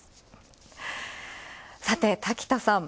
さて、滝田さん。